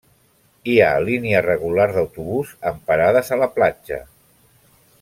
Hi ha línia regular d’autobús amb parades a la platja.